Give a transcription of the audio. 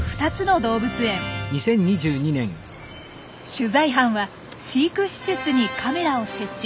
取材班は飼育施設にカメラを設置。